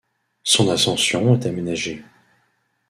Son ascension est aménagée.